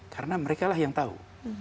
karena mereka lah yang tahu